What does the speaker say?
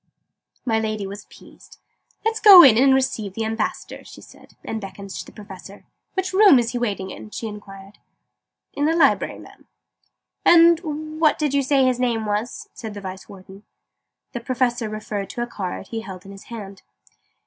My Lady was appeased. "Let's go in and receive the Ambassador," she said, and beckoned to the Professor. "Which room is he waiting in?" she inquired. "In the Library, Madam." "And what did you say his name was?" said the Vice Warden. The Professor referred to a card he held in his hand.